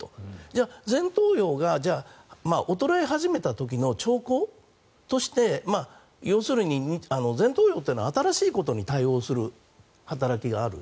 じゃあ、前頭葉が衰え始めた時の兆候として要するに前頭葉というのは新しいことに対応する働きがある。